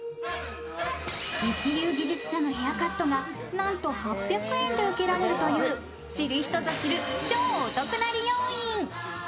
一流技術者のヘアカットがなんと８００円で受けられるという知る人ぞ知る超お得な理容院。